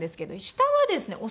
下はですね